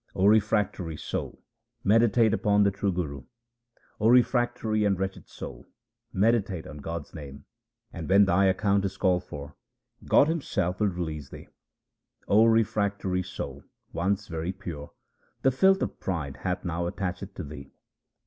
O refractory soul, meditate upon the True Guru ; O refractory and wretched soul, meditate on God's name, And when thy account is called for, God Himself will release thee. O refractory soul, once very pure, the filth of pride hath now attached to thee.